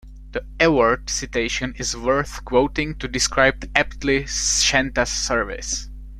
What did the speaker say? The award citation is worth quoting to describe aptly Shanta's service.